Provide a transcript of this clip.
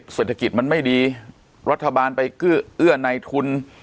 เศรษฐกิจมันไม่ดีรัฐบาลไปเกื้อเอื้อในทุน